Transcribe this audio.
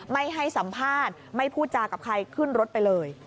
ไม่ให้สัมภาษณ์ไม่พูดจากับใครขึ้นรถไปเลย